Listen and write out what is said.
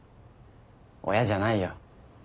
親じゃないよ。